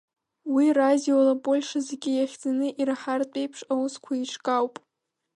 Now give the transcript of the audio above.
Уи радиола Польша зегьы иахьӡаны ираҳартә еиԥш аусқәа еиҿкаауп.